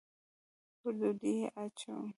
پر ډوډۍ یې اچوم